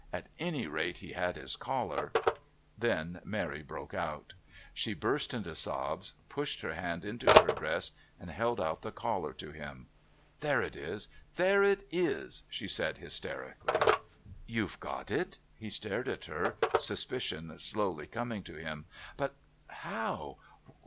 At any rate, he had his collar " Then Mary broke out. She burst into sobs, pushed her hand into her dress, and held out the collar to him. "There it is! There it is!" she said hysterically. "You've got it?" He stared at her, suspicion slowly coming to him. "But how